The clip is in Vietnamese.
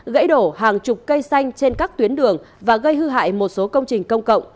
gãy đổ hàng chục cây xanh trên các tuyến đường và gây hư hại một số công trình công cộng